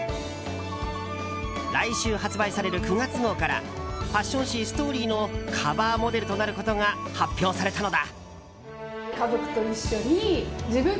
来週発売される９月号からファッション誌「ＳＴＯＲＹ」のカバーモデルとなることが発表されたのだ。